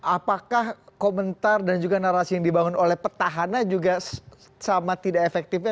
apakah komentar dan juga narasi yang dibangun oleh petahana juga sama tidak efektifnya